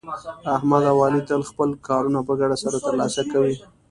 احمد او علي تل خپل کارونه په ګډه سره ترسه کوي.